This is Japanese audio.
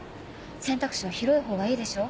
選択肢は広いほうがいいでしょ？